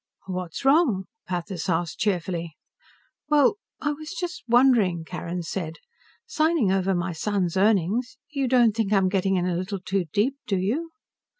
"What's wrong?" Pathis asked cheerfully. "Well, I was just wondering," Carrin said. "Signing over my son's earnings you don't think I'm getting in a little too deep, do you?"